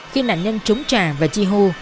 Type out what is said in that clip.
khi nạn nhân trúng trà và chi hô